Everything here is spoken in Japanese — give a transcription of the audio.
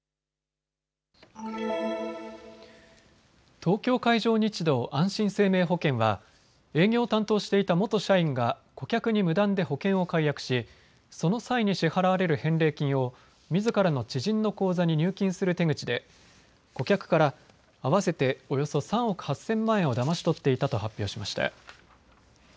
東京海上日動あんしん生命保険は営業を担当していた元社員が顧客に無断で保険を解約しその際に支払われる返戻金をみずからの知人の口座に入金する手口で顧客から合わせておよそ３億８０００万円をだまし取っていたと発表しました。